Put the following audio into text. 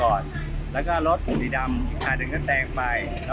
ก็เป็นอีกหนึ่งเหตุการณ์ที่เกิดขึ้นที่จังหวัดต่างปรากฏว่ามีการวนกันไปนะคะ